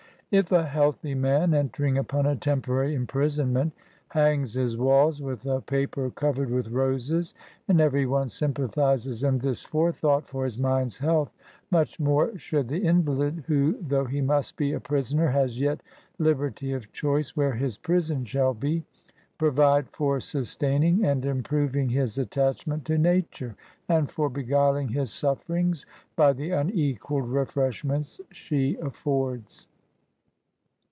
If a healthy man, entering upon a temporary imprisonment, hangs his walls with a paper covered with roses, and every one sympathises in this forethought for his mind's health, much more should the invalid, (who, though he must be a prisoner, has yet liberty of choice where hid prison shall be,) provide for sustaining and im proving his attachment to Nature, and for be guiling his sufferings, by the unequalled refresh ments she affords.